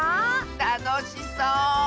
たのしそう！